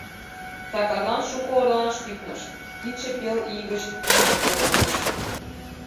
Сакарлан шуко орланаш тӱкныш, кидше пел ий гыч иже тӧрланыш.